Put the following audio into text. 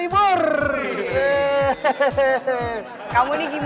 pegel nih pak